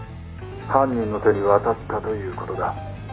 「犯人の手に渡ったという事だ」